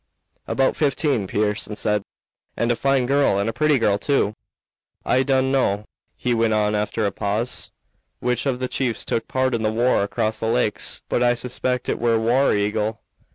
"About fifteen," Pearson said, "and a fine girl, and a pretty girl, too. I dun know," he went on after a pause, "which of the chiefs took part in the war across the lakes, but I suspect it were War Eagle.